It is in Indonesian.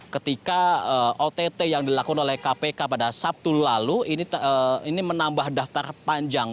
ketika ott yang dilakukan oleh kpk pada sabtu lalu ini menambah daftar panjang